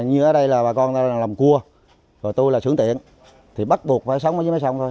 như ở đây là bà con làm cua tôi là sưởng tiện thì bắt buộc phải sống với mái sông thôi